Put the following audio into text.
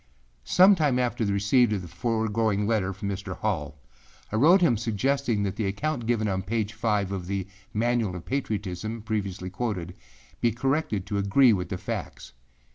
Sometime after the receipt of the foregoing letter from Mr. Hall, I wrote him suggesting that the account given on page 5 of the âManual of Patriotismâ previously quoted, be corrected to agree with the facts.